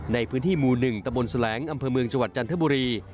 ในพื้นที่หมู่๑ตะบนแสลงอำเภอเมืองจังหวัดจันทบุรี